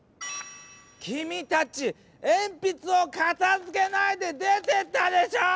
きみたちエンピツをかたづけないで出てったでしょ！